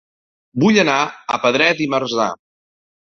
Vull anar a Pedret i Marzà